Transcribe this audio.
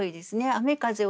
「雨風を」？